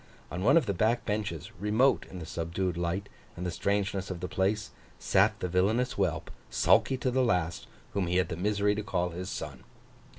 On one of the back benches, remote in the subdued light and the strangeness of the place, sat the villainous whelp, sulky to the last, whom he had the misery to call his son.